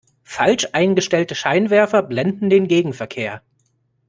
Falsch eingestellte Scheinwerfer blenden den Gegenverkehr.